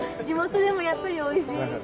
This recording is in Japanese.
地元でもやっぱりおいしい？